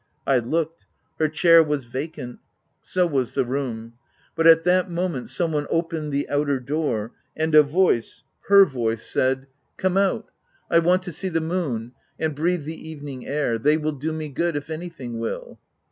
I looked. Her chair was vacant : so was the room. But at that moment some one opened the outer door, and a voice — her yoice — said, — u Come out — I want to see the moon, and breathe the evening air : they will do me good — if anything will."